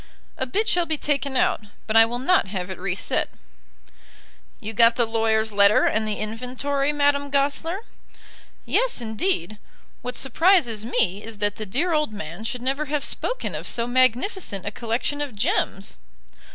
"A bit shall be taken out, but I will not have it reset." "You got the lawyer's letter and the inventory, Madame Goesler?" "Yes, indeed. What surprises me is that the dear old man should never have spoken of so magnificent a collection of gems."